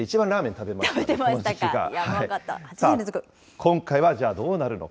今回はじゃあどうなるのか。